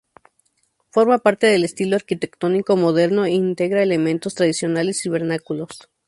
Forma parte del estilo arquitectónico moderno e integra elementos tradicionales y vernáculos.